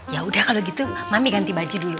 ya udah kalau gitu mami ganti baju dulu